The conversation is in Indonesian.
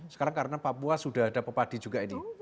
sekarang karena papua sudah ada pepadi juga ini